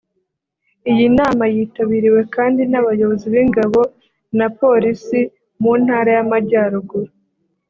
Iyi nama yitabiriwe kandi n’abayobozi b’ingabo na Police mu Ntara y’Amajyaruguru